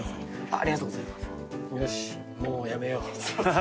ありがとうございます。